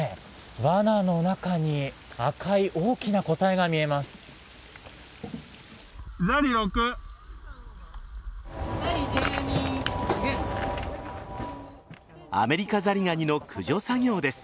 わなの中に赤い大きな個体がいます。